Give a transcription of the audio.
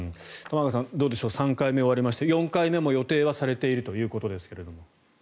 玉川さん、どうでしょう３回目が終わりまして４回目も予定はされているということですが。